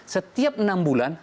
setiap enam bulan